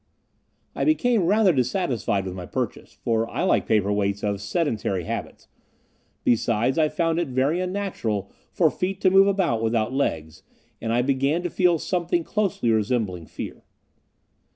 I became rather dissatisfied with my purchase, for I like paper weights of sedentary habits besides I found it very unnatural for feet to move about without legs, and I began to feel something closely resembling fear.